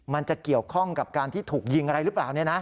มันจะเกี่ยวข้องกับการที่ถูกยิงอะไรหรือเปล่า